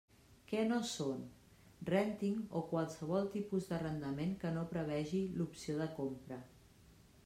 Què no són: rènting o qualsevol tipus d'arrendament que no prevegi l'opció de compra.